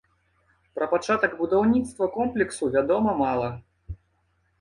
Пра пачатак будаўніцтва комплексу вядома мала.